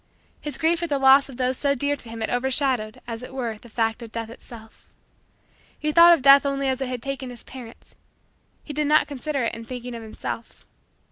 His grief at the loss of those so dear to him had overshadowed, as it were, the fact of Death itself. He thought of Death only as it had taken his parents; he did not consider it in thinking of himself.